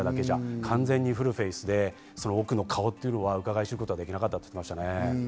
完全にフルフェイスで奥の顔はうかがい知ることはできなかったようですね。